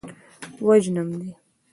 وژنم دې.